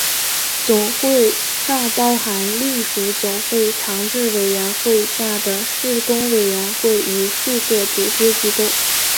总会尚包含隶属总会常置委员会下的事工委员会与数个组织机构。